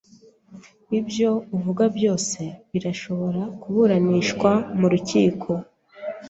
Ibyo uvuga byose birashobora kuburanishwa mu rukiko.